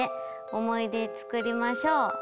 思い出作りましょう。